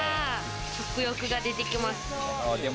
食欲が出てきます。